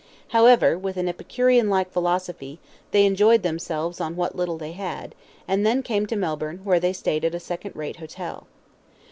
However, with an Epicurean like philosophy, they enjoyed themselves on what little they had, and then came to Melbourne, where they stayed at a second rate hotel.